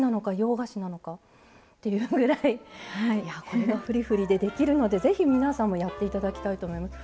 これがふりふりでできるので是非皆さんもやって頂きたいと思います。